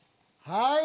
はい。